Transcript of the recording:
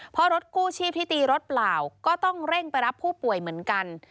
เพราะรถกู้ชีพที่ตีรถเปล่าก็ต้องเร่งไปรับผู้ป่วยเหมือนกัน